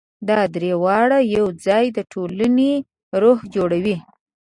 دا درې واړه یو ځای د ټولنې روح جوړوي.